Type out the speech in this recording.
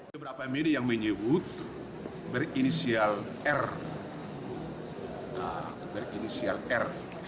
beberapa media yang menyebut berinisial r berinisial r